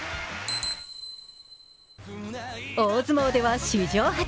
大相撲では史上初。